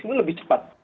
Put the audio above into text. ini lebih cepat